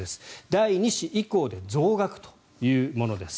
第２子以降で増額というものです。